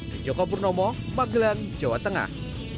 di joko purnomo magelang jawa tengah